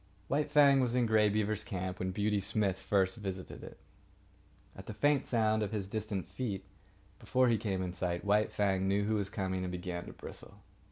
White Fang was in Grey Beaver's camp when Beauty Smith first visited it. At the faint sound of his distant feet, before he came in sight, White Fang knew who was coming and began to bristle.